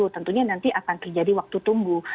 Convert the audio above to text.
tentunya nanti akan terjadi waktu tunggu